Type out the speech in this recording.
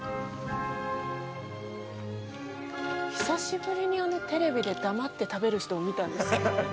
久しぶりにテレビで黙って食べる人を見たんですけど。